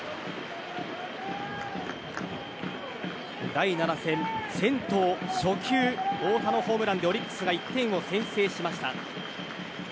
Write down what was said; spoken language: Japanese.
第７戦先頭初球、太田のホームランでオリックスが１点を先制しました。